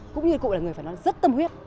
cũng như cụ là người rất tâm huyết